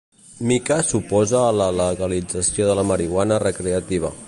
Mica s'oposa a la legalització de la marihuana recreativa.